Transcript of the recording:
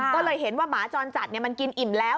ก็เลยเห็นว่าหมาจรจัดมันกินอิ่มแล้ว